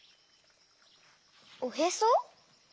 おへそ？